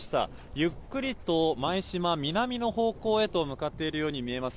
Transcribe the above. ゆっくりと舞洲、南の方向へと向かっているように見えます。